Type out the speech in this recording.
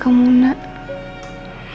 kau udah nyanyikan